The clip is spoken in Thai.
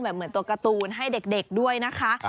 เหมือนตัวการ์ตูนให้เด็กด้วยนะคะ